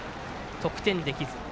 得点できず。